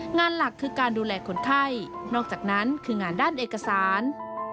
งานหลักคือการดูแลคนไข้นอกจากนั้นคืองานด้านเอกสาร